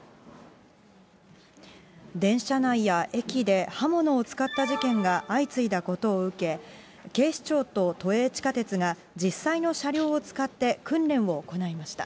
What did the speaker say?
電車内や駅で刃物を使った事件が相次いだことを受け、警視庁と都営地下鉄が、実際の車両を使って、訓練を行いました。